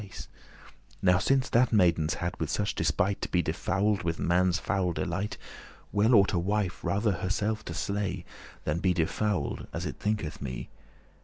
*same Now since that maidens hadde such despite To be defouled with man's foul delight, Well ought a wife rather herself to sle,* *slay Than be defouled, as it thinketh me.